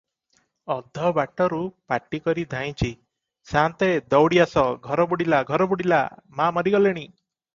ଅଧବାଟରୁ ପାଟିକରି ଧାଇଁଛି- "ସାନ୍ତେ, ଦଉଡ଼ି ଆସ, ଘର ବୁଡ଼ିଲା, ଘର ବୁଡ଼ିଲା, ମା ମରିଗଲେଣି ।"